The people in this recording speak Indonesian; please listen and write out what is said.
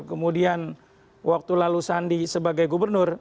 kemudian waktu lalu sandi sebagai gubernur